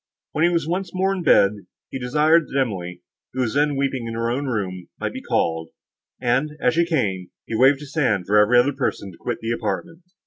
When he was once more in bed, he desired that Emily, who was then weeping in her own room, might be called; and, as she came, he waved his hand for every other person to quit the apartment.